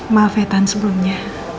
maaf tante sebelumnya